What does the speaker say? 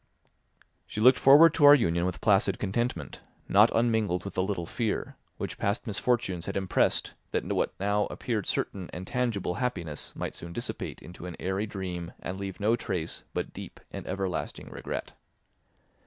She looked forward to our union with placid contentment, not unmingled with a little fear, which past misfortunes had impressed, that what now appeared certain and tangible happiness might soon dissipate into an airy dream and leave no trace but deep and everlasting regret.